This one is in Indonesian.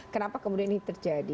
kenapa kemudian ini terjadi